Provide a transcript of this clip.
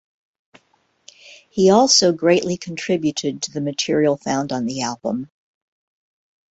He also greatly contributed to the material found on the album.